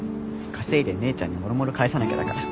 稼いで姉ちゃんにもろもろ返さなきゃだから。